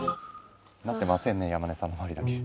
なってませんね山根さんの周りだけ。